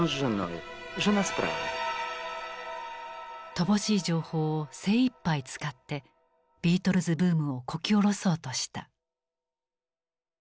乏しい情報を精いっぱい使ってビートルズ・ブームをこき下ろそうとした。